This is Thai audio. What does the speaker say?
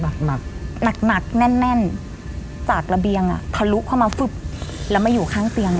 หนักหนักหนักแน่นแน่นจากระเบียงอ่ะทะลุเข้ามาฟึบแล้วมาอยู่ข้างเตียง